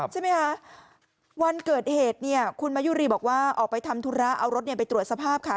ใช่ไหมคะวันเกิดเหตุเนี่ยคุณมายุรีบอกว่าออกไปทำธุระเอารถไปตรวจสภาพค่ะ